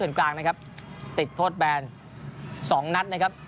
ส่วนกลางนะครับติดโทษแบน๒นัดนะครับ